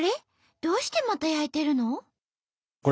どうしてまた焼いてるの？